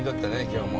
今日も。